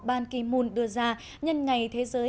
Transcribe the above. ban ki moon đưa ra nhân ngày thế giới